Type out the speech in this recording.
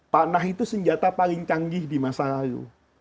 panah itu senjata paling canggih di masa lalu